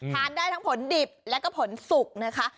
ทานได้ทั้งผลดิบแล้วก็ผลสุกนะคะ